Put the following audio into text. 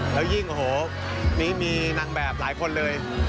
แล้วยิ่งโอ้โหนี่มีนางแบบหลายคนเลย